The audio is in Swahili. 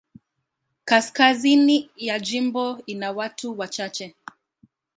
Kaskazini ya jimbo ina watu wachache.